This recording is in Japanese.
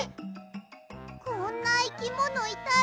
こんないきものいたら。